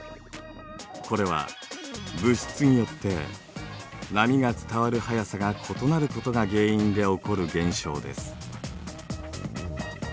これは物質によって波が伝わる速さが異なることが原因で起こる現象です。